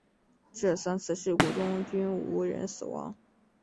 这三次事故中均无人死亡。